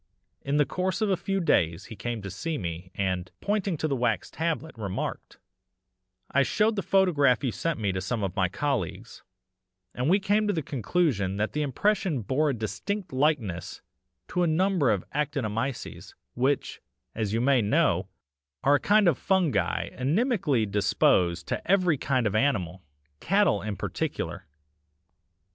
In the course of a few days he came to see me, and, pointing to the wax tablet, remarked: "'I showed the photograph you sent me to some of my colleagues, and we came to the conclusion that the impression bore a distinct likeness to a number of actinomyces, which, as you may know, are a kind of fungi inimically disposed to every kind of animal cattle in particular.